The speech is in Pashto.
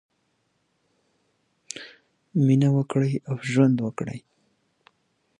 موږ باید ټولنپوهان یوازې اجیران ونه ګڼو.